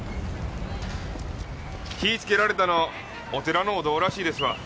火つけられたのお寺のお堂らしいですわ。